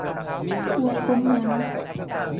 บัวพ้นน้ำ